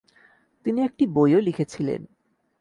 তিনি একটি বইও লিখেছিলেন।